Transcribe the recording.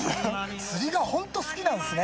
釣りが本当好きなんですね。